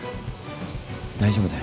大丈夫だよ。